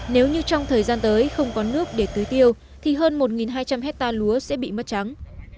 nếu như trong thời gian tới không có nước để tưới tiêu thì hơn một hai trăm linh hectare lúa sẽ bị mất trắng